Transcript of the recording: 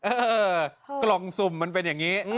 เออกล่องสุ่มมันเป็นอย่างนี้